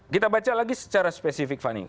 kita baca lagi secara spesifik fani